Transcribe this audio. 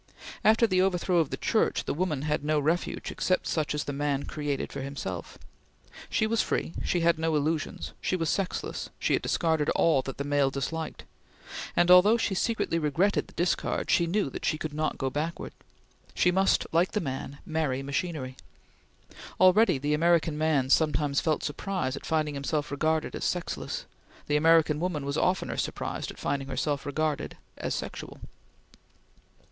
After the overthrow of the Church, the woman had no refuge except such as the man created for himself. She was free; she had no illusions; she was sexless; she had discarded all that the male disliked; and although she secretly regretted the discard, she knew that she could not go backward. She must, like the man, marry machinery. Already the American man sometimes felt surprise at finding himself regarded as sexless; the American woman was oftener surprised at finding herself regarded as sexual.